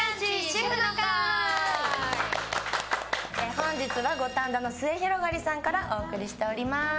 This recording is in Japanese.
本日は五反田のスエヒロガリさんからお送りしています。